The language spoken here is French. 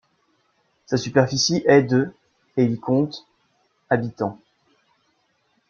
Sa superficie est de et il compte habitants.